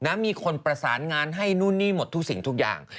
มีคนประสานงานให้นู่นนี่หมดทุกสิ่งทุกอย่าง